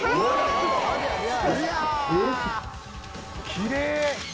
きれい。